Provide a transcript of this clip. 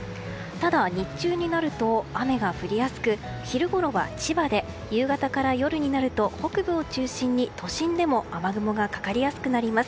ただ、日中になると雨が降りやすく昼ごろは千葉で夕方から夜になると北部を中心に都心でも雨雲がかかりやすくなります。